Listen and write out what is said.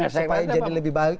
supaya jadi lebih baik